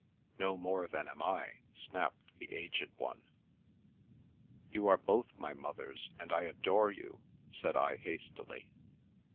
No more than I am/' snapped the aged one. You are both my mothers, and I adore you," said I hastily.